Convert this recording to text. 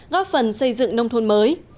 góp phần xây dựng nông thôn mới